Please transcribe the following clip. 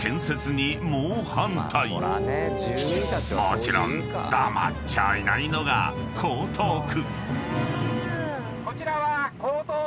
［もちろん黙っちゃいないのが江東区］